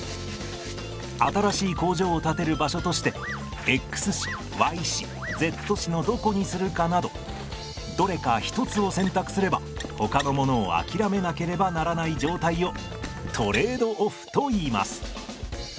新しい工場を建てる場所としてＸ市Ｙ市Ｚ市のどこにするかなどどれか一つを選択すればほかのものをあきらめなければならない状態をトレード・オフといいます。